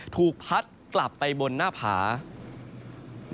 ถูกพัดบนพระขนาคม